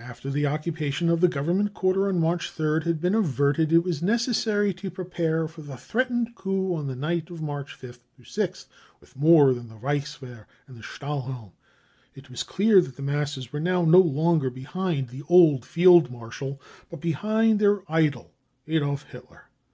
After the occupation of the Government quarter on March 3rd had been averted, it was neces sary to prepare for the threatened coup on the night of March 5th 6th with more than the Reichswehr and the Stahllylm. It was clear that the masses were now no longer behind the old Field Marshal, but behind their idqj Adolf Hitler.